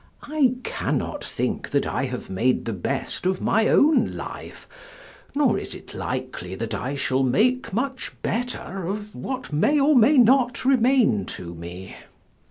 I cannot think that I have made the best of my own life, nor is it likely that I shall make much better of what may or may not remain to me.